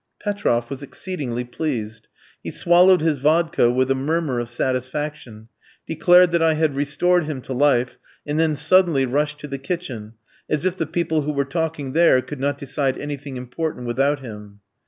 Petroff was exceedingly pleased. He swallowed his vodka with a murmur of satisfaction, declared that I had restored him to life, and then suddenly rushed to the kitchen, as if the people who were talking there could not decide anything important without him.